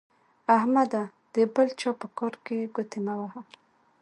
احمده د بل چا په کار کې ګوتې مه وهه.